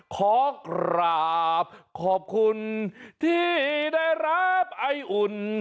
ขอกราบขอบคุณที่ได้รับไออุ่น